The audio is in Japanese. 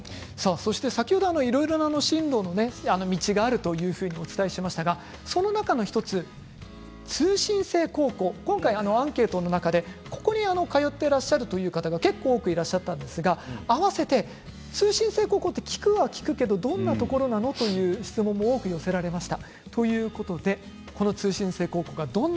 先ほどいろいろな進路道があるというふうにお伝えしましたが、その中の１つ通信制高校を今回アンケートの中でここに通ってらっしゃるという方が結構いらっしゃったんですがあわせて通信制高校は聞くけどどんなところなの？という質問も多く寄せられました。